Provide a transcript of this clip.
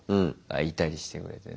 いたりしてくれてね。